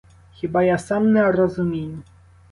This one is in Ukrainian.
Хіба я сам не розумію?